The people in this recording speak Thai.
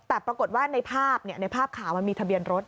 แต่ปรากฏว่าในภาพในภาพข่าวมันมีทะเบียนรถ